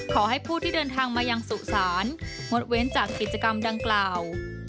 ขอให้ผู้ที่เดินทางมายังสุสานงดเว้นจากกิจกรรมดังกล่าว